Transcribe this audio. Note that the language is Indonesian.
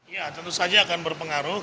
ya tentu saja akan berpengaruh